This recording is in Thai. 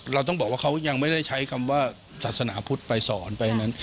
เราต้องบอกว่าเขายังไม่ได้ใช้คำว่าศาสนาพุทธไปสอนไปนั้น